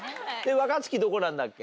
若槻どこなんだっけ？